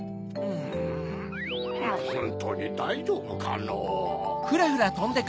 ほんとうにだいじょうぶかのう？